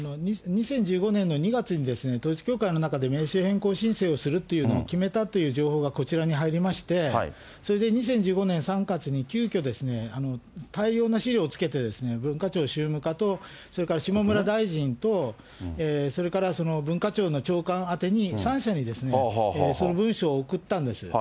２０１５年の２月に統一教会の中で名称変更申請をするっていうのを決めたという情報がこちらに入りまして、それで２０１５年３月に、急きょ、大量の資料をつけて文化庁宗務課と、それから下村大臣とそれから文化庁の長官宛てに３者にその文書を送ったんです。